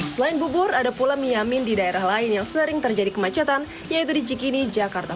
selain bubur ada pula miyamin di daerah lain yang sering terjadi kemacetan yaitu di cikini jakarta